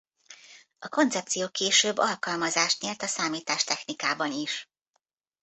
A koncepció később alkalmazást nyert a számítástechnikában is.